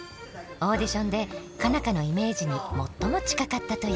オーディションで佳奈花のイメージに最も近かったという。